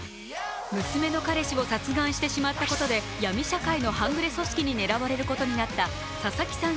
娘の彼氏を殺害してしまったことで闇社会の半グレ組織に狙われることになった佐々木さん